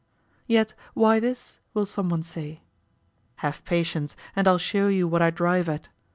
Yet why this? will someone say. Have patience, and I'll show you what I drive at.